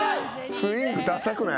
スイングダサくない？